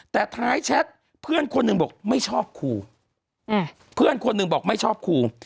แต่ท้ายแชทเพื่อนคนหนึ่งบอกไม่ชอบครูเพื่อนคนหนึ่งบอกไม่ชอบครู